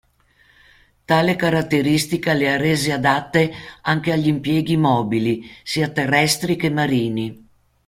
Tale caratteristica le ha rese adatte anche agli impieghi mobili, sia terrestri che marini.